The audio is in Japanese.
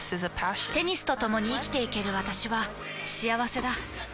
テニスとともに生きていける私は幸せだ。